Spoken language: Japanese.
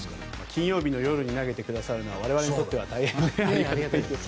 金曜日の夜に投げてくださるのは我々にとっては大変ありがたいです。